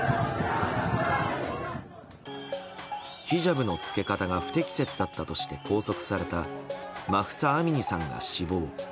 ヒジャブの着け方が不適切だったとして拘束されたマフサ・アミニさんが死亡。